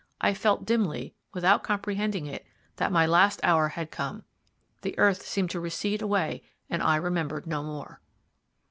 I felt dimly, without comprehending it, that my last hour had come. The earth seemed to recede away, and I remembered no more.